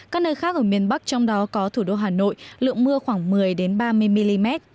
các nơi khác ở miền bắc trong đó có thủ đô hà nội lượng mưa khoảng một mươi ba mươi mm